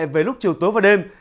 với lúc chiều tối và đêm